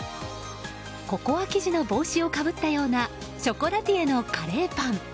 ココア生地の帽子をかぶったようなショコラティエのカレーパン。